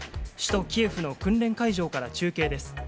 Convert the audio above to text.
首都キエフの訓練会場から中継です。